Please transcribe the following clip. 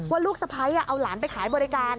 ลูกสะพ้ายเอาหลานไปขายบริการ